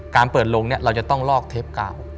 การเปิดลงเนี่ยเราจะต้องลอกเทปกาว